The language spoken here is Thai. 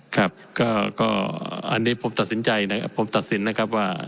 ครับก็อันนี้ผมตัดสินใจนะครับผมตัดสินนะครับว่า